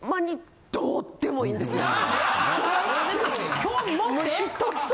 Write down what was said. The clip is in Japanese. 興味持って！